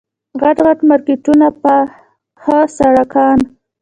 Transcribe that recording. غټ غټ مارکېټونه پاخه سړکان.